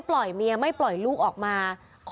พ่อหยิบมีดมาขู่จะทำร้ายแม่